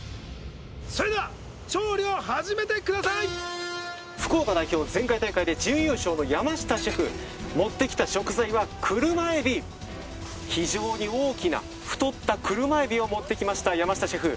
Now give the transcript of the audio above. それでは調理を始めてください福岡代表前回大会で準優勝の山下シェフ持ってきた食材は車エビ非常に大きな太った車エビを持ってきました山下シェフ